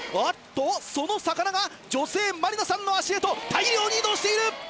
あっとその魚が女性真里奈さんの足へと大量に移動している！